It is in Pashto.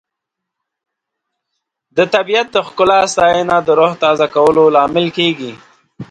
د طبیعت د ښکلا ستاینه د روح تازه کولو لامل کیږي.